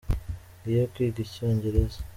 Ngiye kwiga icyongereza.